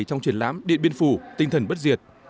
trong triển lãm điện biên phủ tinh thần bất diệt